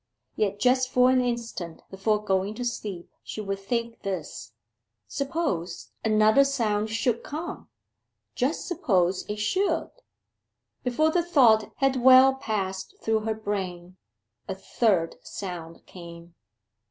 Yet just for an instant before going to sleep she would think this suppose another sound should come just suppose it should! Before the thought had well passed through her brain, a third sound came.